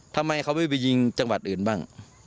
ทำไมเขาไม่ไปยิงจังหวัดอื่นบ้าง